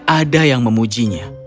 tidak ada yang memujinya